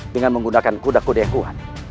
dengan menggunakan kuda kuda yang kuat